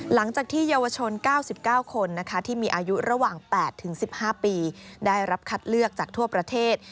หลังจากที่เยาวชน๙๙คนที่มีอายุระหว่าง๘๑๕ปีได้รับคัดเลือกจากทั่วประเทศ